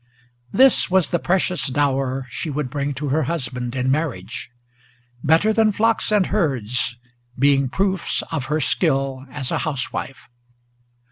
This was the precious dower she would bring to her husband in marriage, Better than flocks and herds, being proofs of her skill as a housewife.